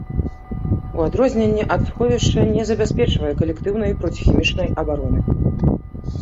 У адрозненне ад сховішча не забяспечвае калектыўнай проціхімічнай абароны.